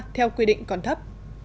theo quy định còn thấp